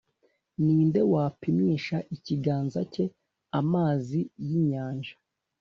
Ni nde wapimisha ikiganza cye amazi y’inyanja,